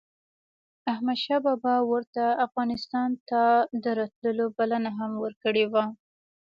احمد شاه بابا ورته افغانستان ته دَراتلو بلنه هم ورکړې وه